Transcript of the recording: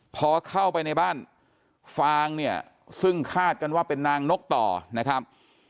พอเข้าไปในบ้านฟางเนี่ยซึ่งคาดกันว่าเป็นนางนกต่อนะครับ